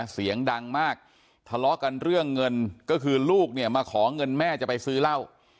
เสียงดังมากทะเลาะกันเรื่องเงินก็คือลูกเนี่ยมาขอเงินแม่จะไปซื้อเหล้า